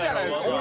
俺。